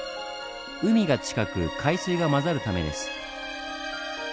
海が近く海水が混ざるためです。